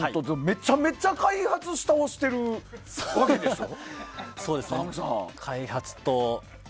めちゃめちゃ開発し倒してるわけでしょ？